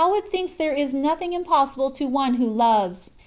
249 it thinks there is nothing impossible to one who loves